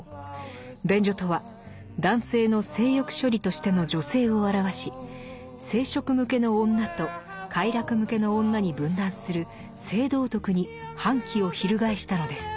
「便所」とは男性の性欲処理としての女性を表し生殖向けの女と快楽向けの女に分断する性道徳に反旗を翻したのです。